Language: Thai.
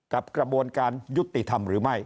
กระบวนการยุติธรรมหรือไม่